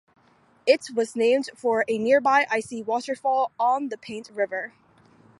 It was named for a nearby icy waterfall on the Paint River.